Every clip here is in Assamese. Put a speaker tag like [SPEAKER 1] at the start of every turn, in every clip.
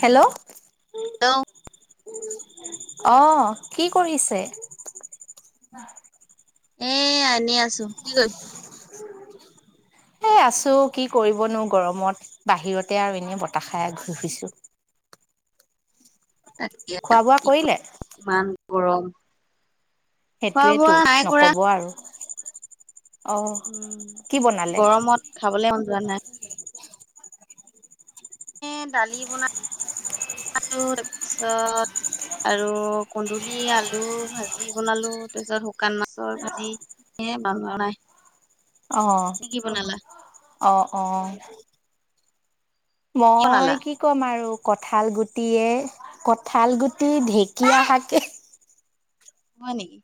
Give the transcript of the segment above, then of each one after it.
[SPEAKER 1] হেল্ল' অ, কি কৰিছে?
[SPEAKER 2] [unintelligible] এনে আছোঁ কি কৰিছে?
[SPEAKER 1] [inaudible] এই আছোঁ, কি কৰিবনো গৰমত বাহিৰতে আৰু এনেই বতাহাহাই ঘুই ফুইছোঁ। বোৱা
[SPEAKER 2] [unintelligible]
[SPEAKER 1] কৰিলে?
[SPEAKER 2] ইমান গৰম। খোৱা
[SPEAKER 1] সেইটোৱেতো
[SPEAKER 2] বোৱা নাই কৰা
[SPEAKER 1] নকব আৰু। অ'
[SPEAKER 2] উম,
[SPEAKER 1] কি বনালে?
[SPEAKER 2] গৰমত খাবলে মন যোৱা নাই। দালি বনাই [unintelligible] তাৰপিছত আৰু কন্দুলি আলু ভাজি বনালোঁ, তাৰপিছত শুকান মাছৰ ভাজি। এ, বান্দৰ নাই।
[SPEAKER 1] আহ,
[SPEAKER 2] তুমি কি বনালা
[SPEAKER 1] আহ, আহ
[SPEAKER 2] কি বনালা
[SPEAKER 1] মই কি ক'ম আৰু কঠাল গুটিয়ে কঠাল গুটি ঢেঁকীয়া শাকে।
[SPEAKER 2] হয় নেকি?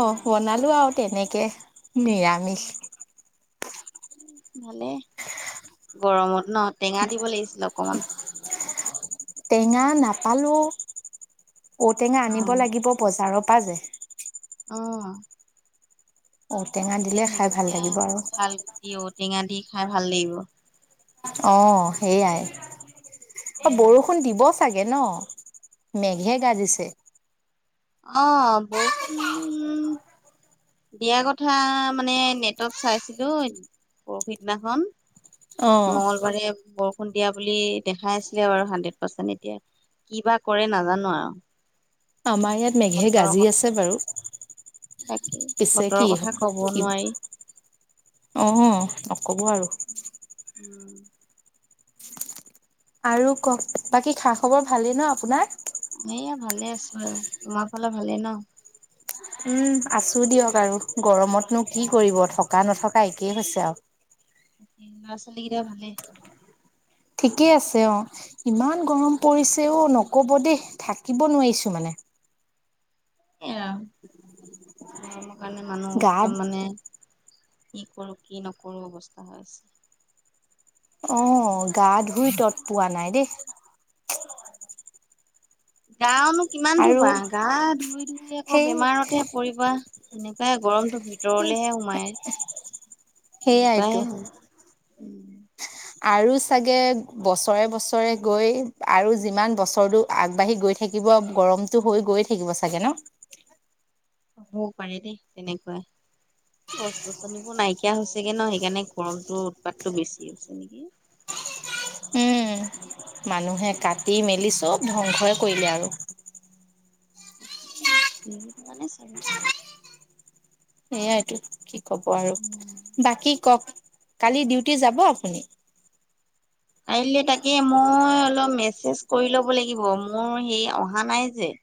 [SPEAKER 2] বা
[SPEAKER 1] বনালোঁ আৰু তেনেকৈ। নিৰামিষ।
[SPEAKER 2] ভালেই, গৰমত ন টেঙা দিব লাগিছিলে অকমান।
[SPEAKER 1] টেঙা নাপালোঁ, ঔটেঙা
[SPEAKER 2] অ
[SPEAKER 1] আনিব লাগিব বজাৰৰ [unintelligible]
[SPEAKER 2] অ,
[SPEAKER 1] ঔটেঙা
[SPEAKER 2] এয়া
[SPEAKER 1] দিলে খাই ভাল
[SPEAKER 2] ঢেকীয়া
[SPEAKER 1] লাগিব আৰু।
[SPEAKER 2] কঁঠাল গুটি ঔটেঙা দি খাই ভাল লাগিব।
[SPEAKER 1] অ, সেইয়াই। অ,
[SPEAKER 2] উম
[SPEAKER 1] বৰষুণ দিব চাগে ন? মেঘে গাজিছে।
[SPEAKER 2] আহ, বৰষুন দিয়া কথা মানে, নেটত চাইছিলোঁ পৰহিদিনাখন
[SPEAKER 1] অ
[SPEAKER 2] মঙংগলবাৰে বৰ [unintelligible] বুলি দেখাই আছিলে বাৰু হাণ্ড্ৰেড পাৰ্চেণ্ট এতিয়া, কি বা কৰে নাজানো আৰু।
[SPEAKER 1] আমাৰ ইয়াত মেঘে গাজি আছে বাৰু।
[SPEAKER 2] তাকে
[SPEAKER 1] পিছে
[SPEAKER 2] বতৰৰ কথা কব নোৱাৰি।
[SPEAKER 1] আহ, নকব আৰু।
[SPEAKER 2] উম
[SPEAKER 1] আৰু কওক, বাকী খা খবৰ ভালেই ন আপোনাৰ?
[SPEAKER 2] এয়া ভালে আছোঁ আৰু, তোমাৰ ফালে ভালে ন?
[SPEAKER 1] উম, আছোঁ দিয়ক আৰু গৰমতনো কি
[SPEAKER 2] অ
[SPEAKER 1] কৰিব থকা থকা নথকা একেই হৈছে আৰু।
[SPEAKER 2] লাৰ ছোৱালী কেইটা ভালে?
[SPEAKER 1] ঠিকেই আছে অ, ইমান
[SPEAKER 2] অ
[SPEAKER 1] গৰম পৰিছে অ, নক ক'ব দেই থাকিব নোৱাৰিছোঁ মানে।
[SPEAKER 2] এয়া, গৰমৰ কাৰণে মানুহ
[SPEAKER 1] গা
[SPEAKER 2] একদম মানে কি কৰো কি নকৰো অৱস্থা হৈছে।
[SPEAKER 1] আহ, গা ধুই তত পোৱা নাই দেই।
[SPEAKER 2] গানো কিমান
[SPEAKER 1] আৰু
[SPEAKER 2] ধুবা গা ধুই ধুই আকৌ
[SPEAKER 1] সেই
[SPEAKER 2] বেমাৰতেহে পৰিবা সেনেকা তাইৰ গৰমটো ভিতৰলেহে সোমায়
[SPEAKER 1] সেয়াইতো
[SPEAKER 2] [unintelligible]
[SPEAKER 1] আৰু চাগে বছৰে বছৰে গৈ, আৰু যিমান বছৰটো আগবাঢ়ি গৈ থাকি কিব গৰমতটো হৈ গৈ থাকিব চাগে ন!
[SPEAKER 2] হ'বও পাৰে দেই, তেনেকুৱা। গছ-গছনিবোৰ নাইকিয়া হৈছেগে নহয়, সেইকাৰণে গৰমটো উৎপাতটো বেছি হৈছে নেকি!
[SPEAKER 1] [unintelligible] মানুহে কাটি মেলি চব ধ্বংসই কৰিলে আৰু।
[SPEAKER 2] [unintelligible]
[SPEAKER 1] সেয়াইটো কি কব আৰু,
[SPEAKER 2] উম।
[SPEAKER 1] বাকী কক। কালি ডিউটি যাব আপুনি?
[SPEAKER 2] কাইলে তাকে, মই অলপ মেছেজ কৰি ল'ব লাগিব, মোৰ হেৰি অহা নাই যে।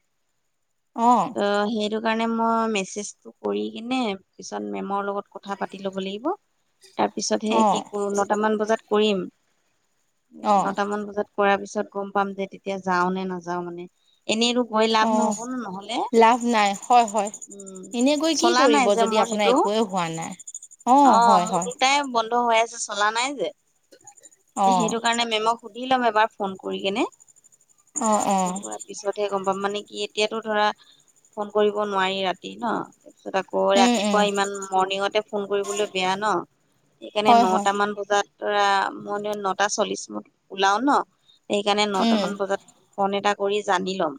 [SPEAKER 1] অ
[SPEAKER 2] অ', সেইটো কাৰণে মই মেছেজটো কৰি কিনে, পিছত মেমৰ লগত কথা পাতি ল'ব লাগিব। তাৰ পিছতহে
[SPEAKER 1] অ
[SPEAKER 2] কি কৰো নটামান বজাত কৰিম।
[SPEAKER 1] অ
[SPEAKER 2] নটামান বজাত কৰা পিছত ছত গম পাম যে তেতিয়া যাওঁ নে নাযাওঁ মানে, এনেইতো গৈ
[SPEAKER 1] অ
[SPEAKER 2] লাভ নহ'ব ন নহ'লে।
[SPEAKER 1] লাভ নাই, হয়, হয়।
[SPEAKER 2] উম
[SPEAKER 1] এনেই গৈ কি
[SPEAKER 2] চলা নাই
[SPEAKER 1] কৰিব
[SPEAKER 2] যে
[SPEAKER 1] যদি
[SPEAKER 2] মোৰ
[SPEAKER 1] আপোনাৰ
[SPEAKER 2] সেইটো
[SPEAKER 1] একোৱেই হোৱা নাই।
[SPEAKER 2] অ',
[SPEAKER 1] হয়
[SPEAKER 2] মোৰ
[SPEAKER 1] হয়
[SPEAKER 2] দুটাই বন্ধ হৈ আছে চলা নাই যে,
[SPEAKER 1] অ
[SPEAKER 2] সেইটো কাৰণে মেমক সুধি ল'ম এবাৰ ফোন কৰি কেনে,
[SPEAKER 1] অ অ
[SPEAKER 2] ফোন কৰাৰ পিছতহে গম পাম মানে এতিয়াতো ধৰা ফোন কৰিব নোৱাৰি ৰাতি ন। তাৰছত আকৌ
[SPEAKER 1] উম
[SPEAKER 2] ৰাতিপুৱা
[SPEAKER 1] উম
[SPEAKER 2] ইমান মৰ্ণিঙতে ফোন কৰিবলে বেয়া ন। সেইকাৰণে
[SPEAKER 1] হয় হয়
[SPEAKER 2] নটা মান বজাত অ', মই এনে নটা চল্লিশত ওলাওঁ ন। সেইকাৰণে
[SPEAKER 1] উম
[SPEAKER 2] নটামান বজাত ফোন এটা কৰি জানি ল'ম।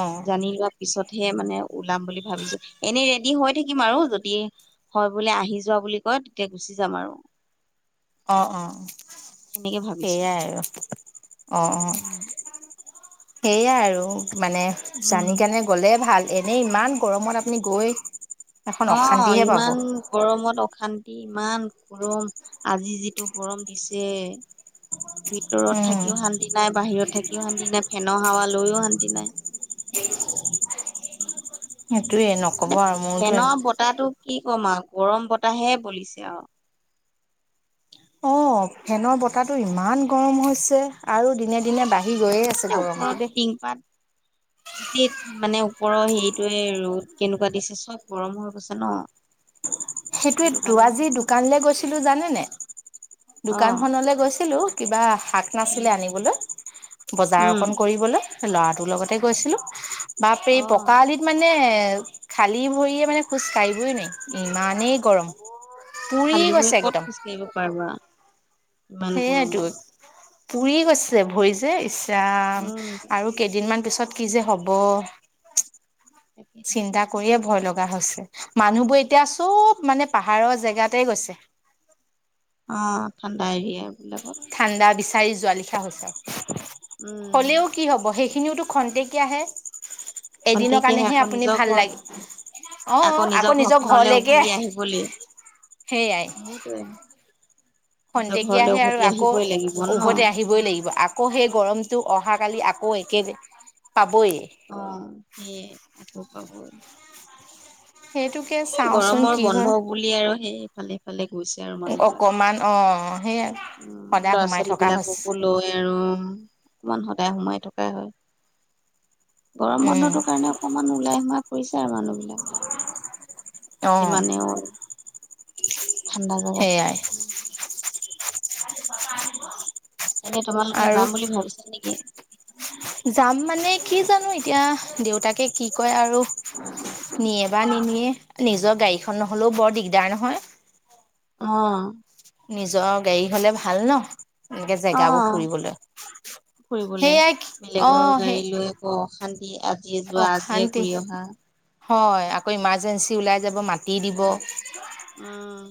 [SPEAKER 1] অ
[SPEAKER 2] জানি লোৱা পিছতহে মানে ওলাম বুলি ভাবিছো, এনে ৰেডি হৈ থাকিম আৰু যদি হয় বোলে আহি যোৱা বুলি কয় তেতিয়া গুচি যাম আৰু।
[SPEAKER 1] [unintelligible] অ', অ'।
[SPEAKER 2] সেনেকে ভাবিছো।
[SPEAKER 1] সেইয়াই আৰু, অ', অ'।
[SPEAKER 2] উম
[SPEAKER 1] সেইয়াই আৰু মানে জানি কেনে গ'লে ভাল। এনেই ইমান গৰমত আপুনি গৈ এখন
[SPEAKER 2] অ',
[SPEAKER 1] অশান্তিহে পাব
[SPEAKER 2] ইমান গৰমত অ অশান্তি ইমান গৰম, আজি যিটো গৰম দিছে। ভিতৰত
[SPEAKER 1] উম,
[SPEAKER 2] থাকিও শান্তি নাই, বাহিৰত থাকিও শান্তি নাই, ফেনৰ হাৱা লৈও শান্তি নাই।
[SPEAKER 1] সেইটোয়ে নক'ব
[SPEAKER 2] মানে
[SPEAKER 1] আৰু মোৰতো
[SPEAKER 2] ফেনৰ বতাহটো কি কম আৰু গৰম বতাহে বলিছে আৰু।
[SPEAKER 1] অ', ফেনৰ বতাহটো ইমান গৰম হৈছে, আৰু দিনে দিনে দিনে বাঢ়ি গৈয়ে আছে
[SPEAKER 2] আচলতে ওপৰত
[SPEAKER 1] গৰমটো দেই।
[SPEAKER 2] টিংপাত গোটেই, মানে ওপৰৰ হেৰিটোয়ে ৰ'দ কেনেকুৱা দিছে, চাব গৰম হৈ গৈছে ন!
[SPEAKER 1] [unintelligible]
[SPEAKER 2] সেইটো
[SPEAKER 1] সেইটোৱেতো
[SPEAKER 2] কাৰণে
[SPEAKER 1] আজি
[SPEAKER 2] চাগে
[SPEAKER 1] দোকানলে গৈছিলো জানেনে?
[SPEAKER 2] অ
[SPEAKER 1] দোকানখনলে গৈছিলো কিবা শাক নাছিলে আনিবলৈ, বজাৰ
[SPEAKER 2] উম
[SPEAKER 1] অকন কৰিবলৈ। ল'ৰাটোৰ লগতে গৈছিলো, বাপৰে
[SPEAKER 2] অ
[SPEAKER 1] পকা আলিত মানে খালী ভৰিয়ে মানে খোজ কাঢ়িবই নোৱাৰি। ইমান নেই গৰম,
[SPEAKER 2] অ খালী
[SPEAKER 1] পুৰি
[SPEAKER 2] ভৰি
[SPEAKER 1] গৈছে
[SPEAKER 2] ক'ত
[SPEAKER 1] একদম।
[SPEAKER 2] খোজকাঢ়িব পাৰিবা ইমান
[SPEAKER 1] সেইয়াইতো
[SPEAKER 2] গৰমত।
[SPEAKER 1] পুৰি গৈছে ভৰি যে ইচৰাম,
[SPEAKER 2] উম
[SPEAKER 1] আৰু কেইদিনমান পিছত ছত কি যে হব,
[SPEAKER 2] তাকেইতো
[SPEAKER 1] চিন্তা কৰিয়ে ভয় লগ লগা হৈছে, মানুহবোৰ এতিয়া চব মানে পাহাৰৰ জেগাতে গৈছে।
[SPEAKER 2] অ', ঠাণ্ডা এৰিয়া। বিলাকত
[SPEAKER 1] ঠাণ্ডা বিচাৰি যোৱা লিখিয়া হৈছে আও।
[SPEAKER 2] উম
[SPEAKER 1] হ'লেও কি হব সেই খিনিওতো খন্তেকীয়াহে, এদিনৰ
[SPEAKER 2] খন্তেকীয়াহে
[SPEAKER 1] কাৰণেহে
[SPEAKER 2] আকৌ
[SPEAKER 1] আপুনি
[SPEAKER 2] নিজৰ
[SPEAKER 1] ভাল
[SPEAKER 2] ঘৰ
[SPEAKER 1] লাগ আহ, আকৌ নিজৰ
[SPEAKER 2] ঘৰখনলে
[SPEAKER 1] ঘৰলৈকে
[SPEAKER 2] উভৰি আহিবলৈ
[SPEAKER 1] সেইয়াই।
[SPEAKER 2] সেইটোয়ে নিজৰ
[SPEAKER 1] খন্তেকীয়া
[SPEAKER 2] ঘৰলে
[SPEAKER 1] হে আৰু
[SPEAKER 2] উভতি
[SPEAKER 1] আকৌ,
[SPEAKER 2] আহিবই লাগিব ন
[SPEAKER 1] উভতি আহিবই লাগিব, আকৌ সেই গৰমতটো অহাকালি আকৌ একে, পাব
[SPEAKER 2] অ', সেইয়াই আকৌ পাব।
[SPEAKER 1] সেইটোকে
[SPEAKER 2] এই
[SPEAKER 1] চাওঁচোন
[SPEAKER 2] গৰমৰ
[SPEAKER 1] কি হয়
[SPEAKER 2] বন্ধ বুলি আৰু ইফালে ফালে
[SPEAKER 1] অকমান অ'। সেইয়াই
[SPEAKER 2] উম,
[SPEAKER 1] সদায়
[SPEAKER 2] ল'ৰা
[SPEAKER 1] সোমাই
[SPEAKER 2] ছোৱালী
[SPEAKER 1] থকা হৈছে
[SPEAKER 2] বিলাককো লৈ আৰু অকমান সদায় সোমাই থকা থকা হয়, গৰম
[SPEAKER 1] উম
[SPEAKER 2] বন্ধটো কাৰণে অকমান ওলাই সোমায় কৰিছে আৰু মানুহবিলাক।
[SPEAKER 1] অ
[SPEAKER 2] যিমানে আ ঠাণ্ডা জোগা ফালে
[SPEAKER 1] সেইয়াই
[SPEAKER 2] অকমান। এনেই, তোমালোকে
[SPEAKER 1] আৰু
[SPEAKER 2] যাম বুলি ভাবিছা নেকি?
[SPEAKER 1] যাম মানে কি জানো এতিয়া দেউতাকে কি কয় আৰু। নিয়ে বা নিনিয়ে,
[SPEAKER 2] অ
[SPEAKER 1] নিজৰ গাড়ীখন নহ'লেও বৰ দিগদাৰ নহয়।
[SPEAKER 2] অ'।
[SPEAKER 1] নিজৰ গাড়ী হলে ভাল ন, এনেকে
[SPEAKER 2] অ
[SPEAKER 1] জেগাবোৰ ফুৰিবলৈ।
[SPEAKER 2] ফুৰিবলে,
[SPEAKER 1] সেয়াই অ
[SPEAKER 2] বেলেগৰ গাড়ী
[SPEAKER 1] সেই
[SPEAKER 2] লৈ আকৌ অশান্তি আজিয়ে যোৱা আজিয়ে
[SPEAKER 1] অশান্তি
[SPEAKER 2] ঘূৰি অহা।
[SPEAKER 1] হয়, আকৌ ইমাৰ্জেঞ্চি ওলাই যাব, মাতি দিব।
[SPEAKER 2] উম।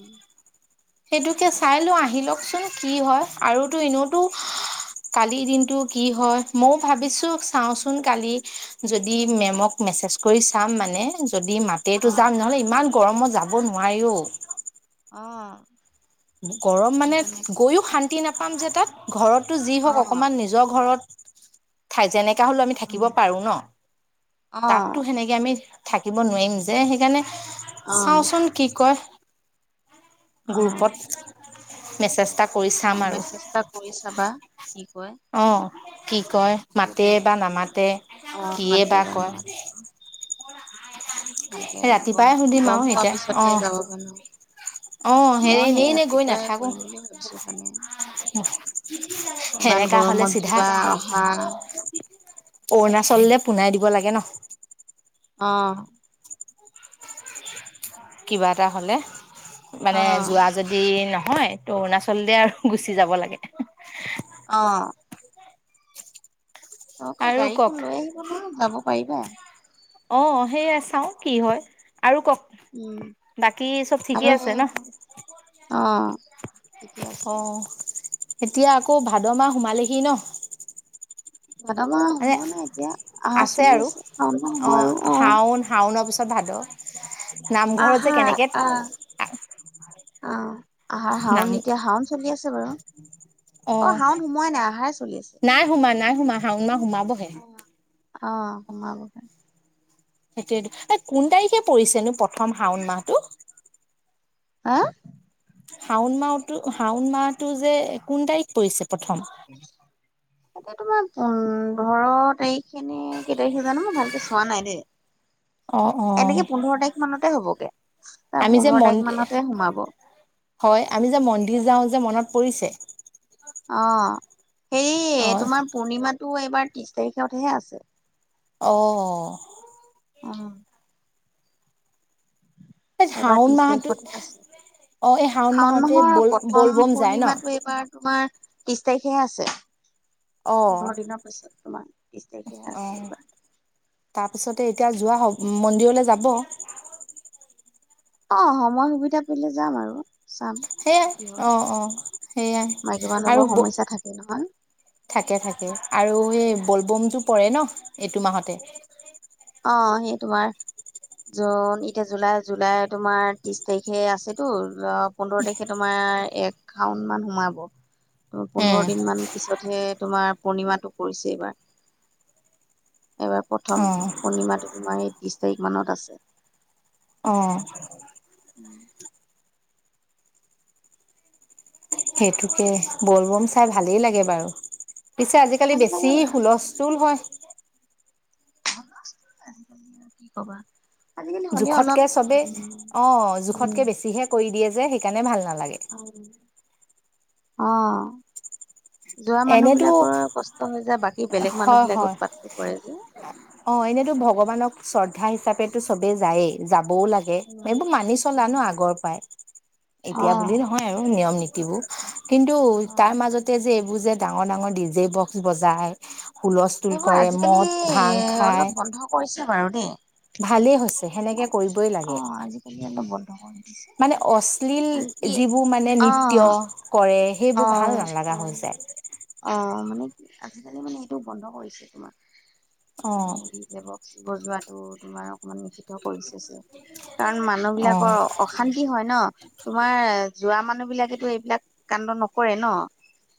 [SPEAKER 1] সেইটোকে চাই লওঁ, আহি লওকচোন কি হয় আৰুতো এনেওটো কালিৰ দিনতটো কি হয়, মইও ভাবিছো চাওঁচোন কালি যদি মেমক মেছেজ চেছ কৰি চাম মানে, যদি
[SPEAKER 2] অ
[SPEAKER 1] মাতেইটো যাম নহ'লে, ইমান গৰমত যাব নোৱাৰি অ'।
[SPEAKER 2] অ'।
[SPEAKER 1] গৰম মানে
[SPEAKER 2] সেইকাৰণে
[SPEAKER 1] গৈও শান্তি নাপাম যে তাত, ঘৰত যি
[SPEAKER 2] অ
[SPEAKER 1] হওঁক অকমান নিজৰ ঘৰত, ঠাই যেনেকে শা হলেও আমি থাকিব
[SPEAKER 2] উম
[SPEAKER 1] পাৰো ন,
[SPEAKER 2] অ
[SPEAKER 1] তাতো সেনেকে আমি থাকিব নোৱাৰিম যে সেইকাৰণে
[SPEAKER 2] অ
[SPEAKER 1] চাওঁচোন কি কয়।
[SPEAKER 2] অ
[SPEAKER 1] গুপত মেছেজটা
[SPEAKER 2] অ' মেছেজটা কৰি চাবা কি কয়।
[SPEAKER 1] অ' কি কয় মাতে
[SPEAKER 2] যদি
[SPEAKER 1] বা নামাতে
[SPEAKER 2] অ',
[SPEAKER 1] কিয়ে বা
[SPEAKER 2] মাতিয়ে
[SPEAKER 1] কয়।
[SPEAKER 2] বনাবা ভালকে গম
[SPEAKER 1] ৰাতিপুৱাই সুধিম
[SPEAKER 2] গম
[SPEAKER 1] আৰু
[SPEAKER 2] পোৱা
[SPEAKER 1] এতিয়া
[SPEAKER 2] পিছতে
[SPEAKER 1] অ',
[SPEAKER 2] যাব পাৰো।
[SPEAKER 1] অ', হেৰি
[SPEAKER 2] মই সেই
[SPEAKER 1] এনেই এনেই গৈ
[SPEAKER 2] ৰাতিপুৱাই
[SPEAKER 1] নাথাকো
[SPEAKER 2] কৰিম বুলি ভাবিছো সেইকাৰণে। ইমান
[SPEAKER 1] সেনেকা হ'লে
[SPEAKER 2] গৰমত
[SPEAKER 1] চিধা
[SPEAKER 2] যোৱা অহা
[SPEAKER 1] অৰুণাচললৈ পুনাই দিব লাগে ন।
[SPEAKER 2] অ'।
[SPEAKER 1] কিবা এটা হ'লে, মানে
[SPEAKER 2] অ',
[SPEAKER 1] যোৱা যদি ন নহয় ত অৰুণাচল দ আৰু গুচি যাব লাগে।
[SPEAKER 2] অ'। অ' আকৌ
[SPEAKER 1] আৰু
[SPEAKER 2] গাড়ীখন
[SPEAKER 1] কওক
[SPEAKER 2] লৈ আহিব ন যাব পাৰিবা।
[SPEAKER 1] অ', সেয়া চাওঁ কি হয়, আৰু কওক,
[SPEAKER 2] উম,
[SPEAKER 1] বাকী চব
[SPEAKER 2] আৰু
[SPEAKER 1] ঠিকেই আছে
[SPEAKER 2] সেই
[SPEAKER 1] ন।
[SPEAKER 2] অ', ঠিকে আছে।
[SPEAKER 1] অ', এতিয়া আকৌ ভাদ মাহ সোমালেহি ন।
[SPEAKER 2] ভাদ মাহ
[SPEAKER 1] মানে
[SPEAKER 2] সোমোৱা নাই এতিয়া আহাৰ
[SPEAKER 1] আছে
[SPEAKER 2] চলি
[SPEAKER 1] আৰু
[SPEAKER 2] শাওণ মাহ সোমোৱা
[SPEAKER 1] অ'
[SPEAKER 2] আৰু
[SPEAKER 1] হাওন হাওনৰ পিছত ভাদ, নামঘৰৰত যে
[SPEAKER 2] আহাৰ
[SPEAKER 1] কেনেকে
[SPEAKER 2] আহ, আহাৰ
[SPEAKER 1] নাম
[SPEAKER 2] হাওন এতিয়া হাওন চলি আছে বাৰু।
[SPEAKER 1] অ'
[SPEAKER 2] শাওণ সোমোৱাই নাই আহাৰ চলি আছে।
[SPEAKER 1] নাই সোমা নাই সোমা হাওন মা সোমাবহে।
[SPEAKER 2] অ' সোমাবহে।
[SPEAKER 1] সেই এই কোন তাৰিখে পৰিছেনো প্ৰথম শাওন মাহটো।
[SPEAKER 2] হা
[SPEAKER 1] শাওন মাহতো শাওন মাহটো যে কোন তাৰিখ পৰিছে প্ৰথম
[SPEAKER 2] এতিয়া তোমাৰ পোোন্ধৰ তাৰিখ সেই সনে কেই তাৰিখে জানো মই ভালকে চোৱা নাই দেই
[SPEAKER 1] অ অ
[SPEAKER 2] এনেকে পোন্ধৰ তাৰিখ মানতে হবগে তাৰ
[SPEAKER 1] আমি যে
[SPEAKER 2] পোন্ধৰ তাৰিখ
[SPEAKER 1] মন্দিৰ
[SPEAKER 2] মানতে সোমাব
[SPEAKER 1] হয় আমি যে মন্দিৰ যাওঁ যে মনত পৰিছে
[SPEAKER 2] অ সে
[SPEAKER 1] অ
[SPEAKER 2] তোমাৰ পূৰ্ণিমাটো এইবাৰ ত্ৰিশ তাৰিখতহে আছে
[SPEAKER 1] অ
[SPEAKER 2] অ
[SPEAKER 1] এই
[SPEAKER 2] এবাৰ
[SPEAKER 1] শাওণ
[SPEAKER 2] দিছে
[SPEAKER 1] মাহটো
[SPEAKER 2] সঠিক আছে
[SPEAKER 1] অ এই
[SPEAKER 2] শাওণ
[SPEAKER 1] মাহতে
[SPEAKER 2] মাহৰ
[SPEAKER 1] বল বল
[SPEAKER 2] প্ৰথম
[SPEAKER 1] বম যায় ন
[SPEAKER 2] পূৰ্ণিমাতটো এইবাৰ তোমাৰ ত্ৰিশ তাৰিখেহে আছে
[SPEAKER 1] অ
[SPEAKER 2] পোন্ধৰ দিনৰ পিছত তোমাৰ বিছ তাৰিখেহে
[SPEAKER 1] অ
[SPEAKER 2] আছে এইবাৰ
[SPEAKER 1] তাৰপিছতে এতিয়া যোৱা হ মন্দিৰলৈ যাব
[SPEAKER 2] অ সময় সুবিধা পলে যাম আৰু চাম
[SPEAKER 1] সেইয়াই
[SPEAKER 2] কি হয়
[SPEAKER 1] অ অ সেইয়াই
[SPEAKER 2] মাইকী মানুহবোৰৰ
[SPEAKER 1] আৰু
[SPEAKER 2] সমস্যা থাকে নহয়
[SPEAKER 1] থাকে থাকে আৰু এই বলবম যোৰ পৰে ন এইটো মাহতে
[SPEAKER 2] অ সেই তোমাৰ জুন এতিয়া জুলাই জুলাই তোমাৰ ত্ৰিশ তাৰিখে আছেতো পোন্ধৰ তাৰিখে তোমাৰ এ শাওন মান সোমাব ত পোন্ধৰ দিন মান পিছতহে তোমাৰ পূৰ্ণিমাটো কৰিছে এইবাৰ এইবাৰ প্ৰথম
[SPEAKER 1] অ
[SPEAKER 2] পূৰ্ণিমাটো তোমাৰ এই ত্ৰিশ তাৰিখ মানত আছে
[SPEAKER 1] অ
[SPEAKER 2] উম
[SPEAKER 1] সেইটোকে বল বম চাই
[SPEAKER 2] উম,
[SPEAKER 1] ভালেই লাগে বাৰু পিছে আজিকালি
[SPEAKER 2] ভাল
[SPEAKER 1] বেছি
[SPEAKER 2] লাগে বাৰু
[SPEAKER 1] হুলস্থুল হয়
[SPEAKER 2] ভাল আজাল আৰু কি কবা আজিকালি হ'লেও অলপ
[SPEAKER 1] জোখতকে চবেই
[SPEAKER 2] উম,
[SPEAKER 1] অ জোখতকে বেছিহে কৰি দিয়ে যে সেইকাৰণে ভাল নালাগে
[SPEAKER 2] আহ যোৱা মানুহ
[SPEAKER 1] এনেতো
[SPEAKER 2] বিলাকৰ কষ্ট হয় যায় বাকী বেলেগ মানুহ
[SPEAKER 1] হয়
[SPEAKER 2] বিিলাকে
[SPEAKER 1] হয়
[SPEAKER 2] উৎপাতটো কৰেৰে যে
[SPEAKER 1] অ এনেতো ভগৱানক শ্ৰদ্ধা হিচাপেো চবে যায়েই যা চাবও লাগেবোৰ মানি চলা নো আগৰ পৰাই
[SPEAKER 2] অ
[SPEAKER 1] এতিয়া বুলি নহয় আৰু নিয়ম নী কিন্তু
[SPEAKER 2] অ
[SPEAKER 1] তাৰ মাজতে যে এইবোৰ যে ডাঙৰ ডাঙৰ ডি জে বক্স বজাই হুলস্থুল
[SPEAKER 2] সেইবোৰ
[SPEAKER 1] কৰে
[SPEAKER 2] আজিকালি
[SPEAKER 1] মদ
[SPEAKER 2] এ
[SPEAKER 1] ভাং
[SPEAKER 2] অলপ
[SPEAKER 1] খায়
[SPEAKER 2] বন্ধ কৰিছে বাৰু দেই
[SPEAKER 1] ভালেই হৈছে
[SPEAKER 2] অ
[SPEAKER 1] সেনেকে কৰিবই
[SPEAKER 2] অ
[SPEAKER 1] লাগে
[SPEAKER 2] আজিকালি অলপ বন্ধ কৰি দিছে
[SPEAKER 1] মানে
[SPEAKER 2] এইবিলাক
[SPEAKER 1] অশ্লীল
[SPEAKER 2] মানে কি
[SPEAKER 1] যিবোৰ মানে
[SPEAKER 2] অ
[SPEAKER 1] নৃত্য কৰে
[SPEAKER 2] অ
[SPEAKER 1] সেইবোৰ ভাল
[SPEAKER 2] অ
[SPEAKER 1] নালা হৈছে [inaudible]
[SPEAKER 2] অ মানে আজিকালি মানে এইটো বন্ধ কৰিছে তোমাৰ
[SPEAKER 1] অ
[SPEAKER 2] মানে ডি জ বক্জোৱাত তটো তোমাৰ অকমান নিষিিত কৰিছে যে কাৰণ মানুহ
[SPEAKER 1] অ
[SPEAKER 2] বিলাকৰ অশান্তি হয় ন তোমাৰ যোৱা মানুহ বিলাকেতো এইবিলাক কাণ্ড নকৰে ন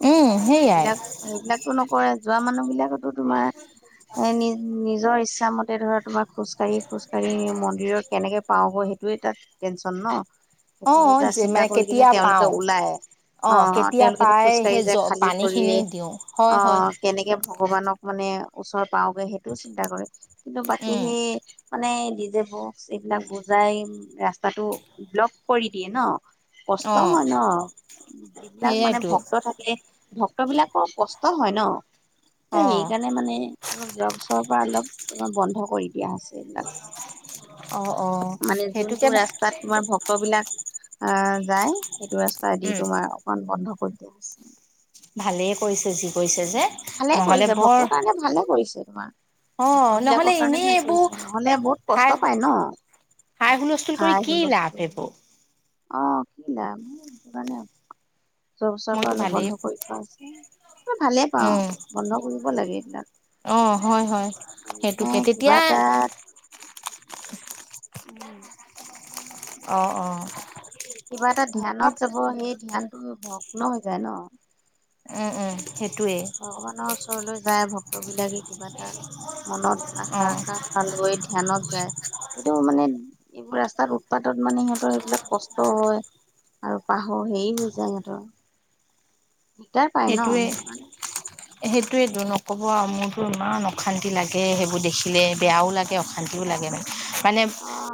[SPEAKER 1] উম সেইয়াই
[SPEAKER 2] সেইবিলাক সেইবিলাকো নকৰে যোৱা মানুহ বিলাকতো তোমাৰ এ নিজ নিজৰ ইচ্ছা মতে ধৰ তোমাৰ খোজ কঢ়ি খোজ কঢ়ি মন্দিৰত কেনেকে পাও হয় সেইটোয়ে তাত টেনচন ন
[SPEAKER 1] অ
[SPEAKER 2] সেইটো এতিয়া
[SPEAKER 1] যে
[SPEAKER 2] চিন্তা
[SPEAKER 1] মানে
[SPEAKER 2] কৰি কিনে
[SPEAKER 1] কেতিয়া
[SPEAKER 2] তেওঁলোকে
[SPEAKER 1] পাওঁ
[SPEAKER 2] ওলাই অ
[SPEAKER 1] কেতিয়া
[SPEAKER 2] তেওঁলোকেতো
[SPEAKER 1] পাই
[SPEAKER 2] খোজকাাঢ়ি
[SPEAKER 1] সেই জ
[SPEAKER 2] যায় খালী পৰিৰে
[SPEAKER 1] পানীখিনি দিওঁ হয়
[SPEAKER 2] অ
[SPEAKER 1] হয়
[SPEAKER 2] কেনেকে ভগৱানক মানে ওচৰ পাওঁগে সেইটোও চিন্তা কৰে কিন্তু বাকী
[SPEAKER 1] উম
[SPEAKER 2] সেই মানেে ব এইবিলাক বুজাই ৰাস্তাটো ব্লক কৰি দিয়ে ন কষ্ট
[SPEAKER 1] অ
[SPEAKER 2] হয় ন যিবিলাক মানে
[SPEAKER 1] সেয়াইতো
[SPEAKER 2] ভক্ত থাকে ভক্ত বিলাকৰ কষ্ট হয় ন
[SPEAKER 1] অ
[SPEAKER 2] সেইকাৰণে মানে অলপ যোৱা বছৰ অলপ অ', বন্ধ কৰি দিয়া হৈছে। এইবিলাক।
[SPEAKER 1] [unintelligible] অ
[SPEAKER 2] মানে
[SPEAKER 1] সেইটোকে
[SPEAKER 2] যোনটো
[SPEAKER 1] ভা
[SPEAKER 2] ৰাস্তাত তোমাৰ ভক্তবিলাক আহ যায় সেইটো ৰাস্তা দি
[SPEAKER 1] উম
[SPEAKER 2] তোমাৰ অকমান বন্ধ কৰি দিয়া হৈছে মান
[SPEAKER 1] ভালেই কৰিছে যি কৰিছে যে
[SPEAKER 2] ভালে
[SPEAKER 1] নহলে
[SPEAKER 2] কৰিছে
[SPEAKER 1] বৰ
[SPEAKER 2] ভক্ত কাৰণে ভালে কৰিছে তোমাৰ
[SPEAKER 1] অ
[SPEAKER 2] ভক্ত
[SPEAKER 1] নহলে
[SPEAKER 2] বিলাকৰ কাৰণে
[SPEAKER 1] এনেই
[SPEAKER 2] ভাল
[SPEAKER 1] এইবোৰ
[SPEAKER 2] কৰিছো নহলে বহুত
[SPEAKER 1] হাই
[SPEAKER 2] কষ্ট পাই ন।
[SPEAKER 1] হাই হুলস্থুল কৰি
[SPEAKER 2] ভাল
[SPEAKER 1] কি
[SPEAKER 2] হুল
[SPEAKER 1] লাভ
[SPEAKER 2] স্তল।
[SPEAKER 1] এইবোৰ
[SPEAKER 2] অহ কি নাম। যোৱা বছৰ
[SPEAKER 1] মইতো
[SPEAKER 2] পৰালৈ
[SPEAKER 1] ভালেই
[SPEAKER 2] বন্ধ কৰি থোৱা আছে। মই ভালেই পাওঁ
[SPEAKER 1] উম
[SPEAKER 2] বন্ধ কৰিব লাগে এইবিলাক।
[SPEAKER 1] অ হয়, হয়
[SPEAKER 2] মানুহে
[SPEAKER 1] সেইটোকে
[SPEAKER 2] কিবা
[SPEAKER 1] তেতিয়া
[SPEAKER 2] এটা উম
[SPEAKER 1] অ', অ',।
[SPEAKER 2] কিবা এটা ধ্যানত যাব সেই ধ্যানটো ভগ্ন হৈ যায় ন।
[SPEAKER 1] উম, উম। সেইটোৱেই
[SPEAKER 2] ভগৱানৰ ওচৰলৈ যায় ভক্ত বিলাকে কিবা এটা। মনত
[SPEAKER 1] অ
[SPEAKER 2] আশা আকাংক্ষা লৈ ধ্যানত যায় সেইটো মানে এইবোৰ ৰাস্তাত উৎপাতত মানে সিহঁতৰ এইবিলাক কষ্ট হয় আৰু পাহৰ হেৰি হৈ যায় সিহঁতৰ দিগদাৰ পায় ন সেইটো কাৰণে
[SPEAKER 1] সেইটোৱে নক'ব আৰু মোৰতো ইমান অশান্তি লাগে সেইবোৰ দেখিলে বেয়াও লাগে অশান্তিও লাগে। মানে
[SPEAKER 2] অ